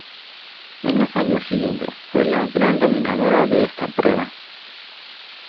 En los años siguientes fue la gran dominadora de esta prueba.